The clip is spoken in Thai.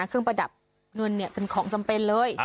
เครื่องประดับนั้นเป็นของจำเป็นเลย